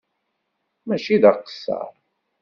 Mačči d aqeṣṣeṛ.